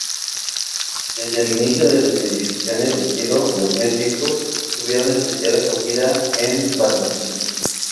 Desde el inicio del las edificaciones de estilo neoclásico tuvieron especial acogida en Barranquilla.